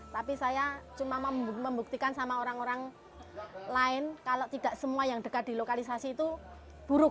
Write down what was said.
tapi saya cuma membuktikan sama orang orang lain kalau tidak semua yang dekat di lokalisasi itu buruk